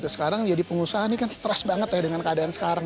sekarang jadi pengusaha ini kan stres banget ya dengan keadaan sekarang